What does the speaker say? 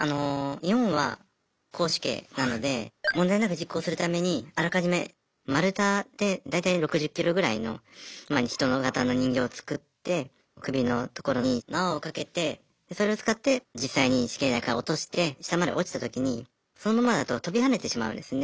日本は絞首刑なので問題なく実行するためにあらかじめ丸太で大体６０キロぐらいの人がたの人形を作って首のところに縄を掛けてそれを使って実際に死刑台から落として下まで落ちたときにそのままだと跳びはねてしまうんですね。